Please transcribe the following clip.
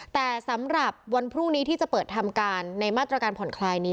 แต่สำหรับวันพรุ่งนี้ที่จะเปิดทำการในมาตรการผ่อนคลายนี้